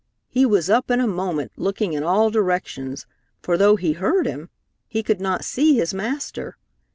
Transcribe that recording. He was up in a moment looking in all directions, for though he heard him, he could not see his master.